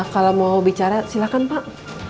kalau mau bicara silakan pak